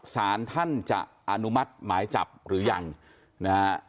สารท่านจะอนุมัติหมายจับหรือยังนะฮะ